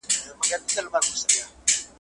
بېله څو کتابو او د جریدو له کلکسیونو